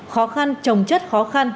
khó khăn trồng chất khó khăn